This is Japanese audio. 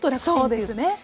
そうですね。